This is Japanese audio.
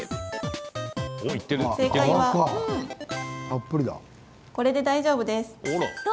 正解はこれで大丈夫です。